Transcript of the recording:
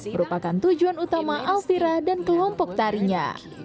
merupakan tujuan utama alvira dan kelompok tarinya